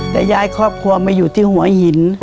แต่ย้ายครอบครัวมาอยู่ที่หัวหิน